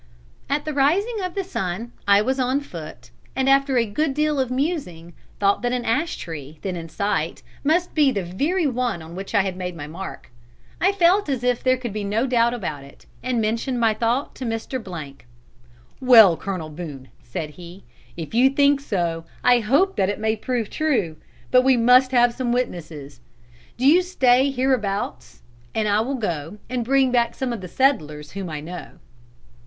"'At the rising of the sun I was on foot, and after a good deal of musing thought that an ash tree, then in sight, must be the very one on which I had made my mark. I felt as if there could be no doubt about it, and mentioned my thought to Mr. . "'Well, Colonel Boone,' said he, 'if you think so I hope that it may prove true, but we must have some witnesses. Do you stay hereabouts and I will go and bring some of the settlers whom I know.'